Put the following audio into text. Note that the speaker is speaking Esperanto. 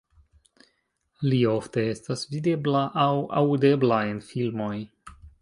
Li ofte estas videbla aŭ aŭdebla en filmoj.